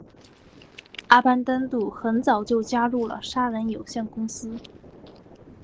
阿班旦杜很早就加入了杀人有限公司。